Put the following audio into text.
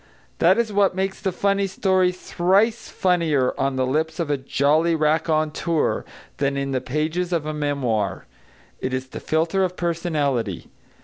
That is what makes the funny story thrice funnier on the lips of a jolly raconteur than in the pages of a memoir. It is the filter of personality.